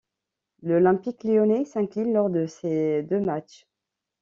L'Olympique lyonnais s'incline lors de ces deux matchs.